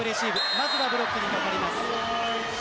まずはブロックに阻まれます。